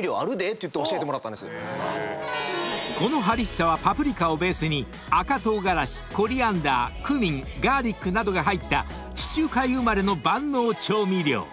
［このハリッサはパプリカをベースに赤唐辛子コリアンダークミンガーリックなどが入った地中海生まれの万能調味料］